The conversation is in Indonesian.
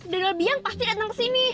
dari biang pasti dateng kesini